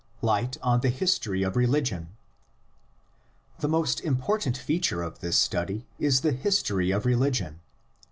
LIGHT ON THE HISTORY OF RELIGION. The most important feature of this study is the history of religion.